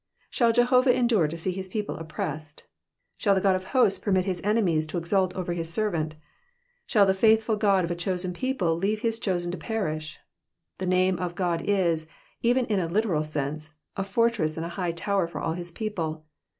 Shall Jehovah endure to see his people oppressed ? Shall the God of hosts permit his enemies to exult over his servant ? Shall the faithful God of a chosen people leave his chosen to perish ? The name of God is, even in a literal sense, a fortress and high tower for all his people.